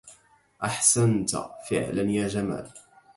أحسنت فعلا يا جمال.